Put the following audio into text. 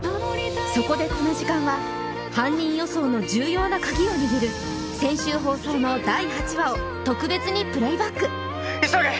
そこでこの時間は犯人予想の重要なカギを握る先週放送の第８話を特別にプレイバック急げ！